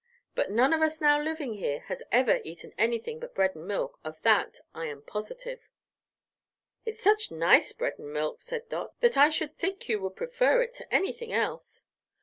But none of us now living here has ever eaten anything but bread and milk, of that I am positive." "It's such nice bread and milk," said Dot, "that I should think you would prefer it to anything else."